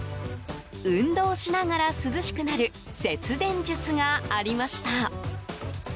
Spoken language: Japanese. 運動しながら涼しくなる節電術がありました。